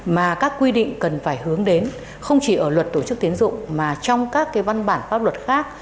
mà các quy định cần phải hướng đến không chỉ ở luật tổ chức tiến dụng mà trong các cái văn bản pháp luật khác